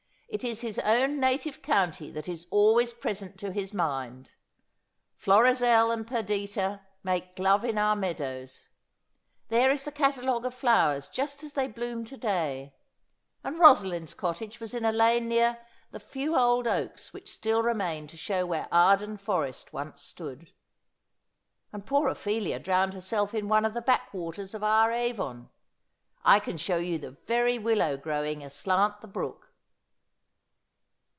' It i§ his own native county that is always present to his mind. Florizel and Perdita make love in our meadows. There is the catalogue of flowers just as they bloom to day. And Rosalind's cottage was in a lane near the few old oaks which still remain to show where Arden Forest once stood. And poor Ophelia drowned herself in one of the backwaters of our Avon. I can show j'ou the very willow grow ing aslant the brook.'